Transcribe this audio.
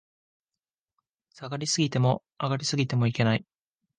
下がり過ぎても、上がり過ぎてもいけない